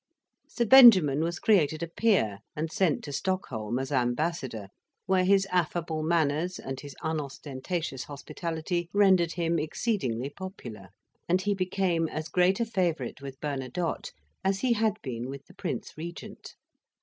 Sir Benjamin was created a Peer, and sent to Stockholm as ambassador, where his affable manners and his unostentatious hospitality rendered him exceedingly popular; and he became as great a favorite with Bernadotte as he had been with the Prince Regent.